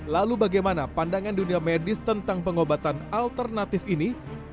lalu bagaimana pandangan dunia medis tentang pengobatan alternatif ini